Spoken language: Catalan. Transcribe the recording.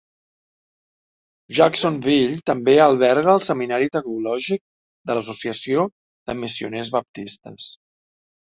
Jacksonville també alberga el seminari teològic de l'Associació de Missioners Baptistes.